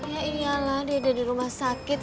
ya iyalah dia ada di rumah sakit